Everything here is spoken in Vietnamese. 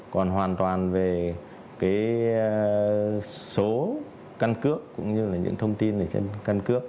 còn hoàn toàn về cái số căn cướp cũng như là những thông tin ở trên căn cướp